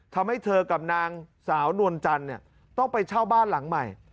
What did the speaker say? ทำให้เธอกับนางสาวนวลจันทร์ต้องไปเช่าบ้านหลังใหม่